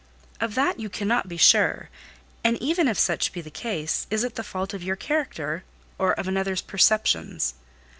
"Of that you cannot be sure; and even if such be the case, is it the fault of your character, or of another's perceptions?